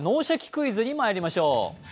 クイズ」にまいりましょう。